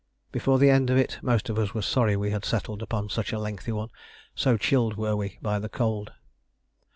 Before the end of it most of us were sorry we had settled upon such a lengthy one, so chilled were we by the cold.